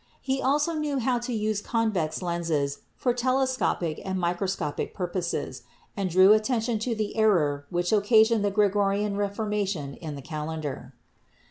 He also knew how to use convex lenses for telescopic and mi croscopic purposes, and drew attention to the error which occasioned the Gregorian reformation in the calendar.